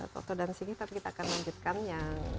toto dan singgi kita akan lanjutkan